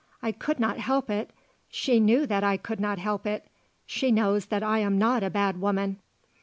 I could not help it. She knew that I could not help it. She knows that I am not a bad woman."